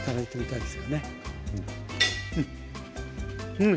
うん。